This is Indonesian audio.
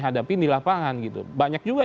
hadapin di lapangan gitu banyak juga